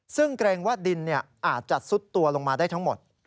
ซึ่งเกรงว่าดินอาจจะซุดตัวลงมาได้ทั้งหมด